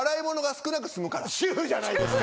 主婦じゃないですか。